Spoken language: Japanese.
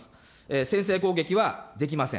先制攻撃はできません。